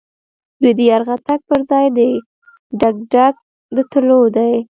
دی د يرغه تګ پر ځای په ډګډګ د تللو دی.